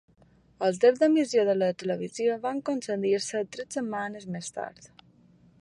Els drets d’emissió de televisió van concedir-se tres setmanes més tard.